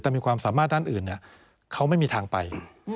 แต่มีความสามารถด้านอื่นเขาไม่มีทางไป